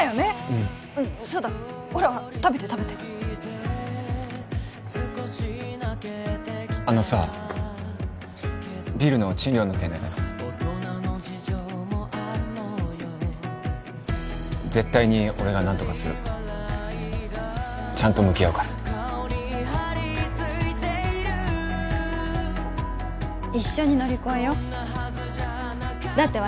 うんそうだほら食べて食べてあのさビルの賃料の件だけど絶対に俺が何とかするちゃんと向き合うから一緒に乗り越えようだって